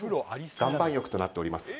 岩盤浴となっております